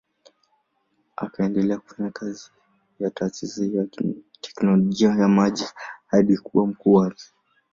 Akaendelea kufanya kazi ya taasisi ya teknolojia ya maji hadi kuwa mkuu wake.